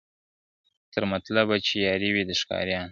تر مطلبه چي یاري وي د ښکاریانو ,